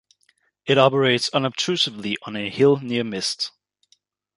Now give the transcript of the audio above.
It operates unobtrusively on a hill near Mist.